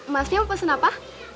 maksudnya mau pesan apa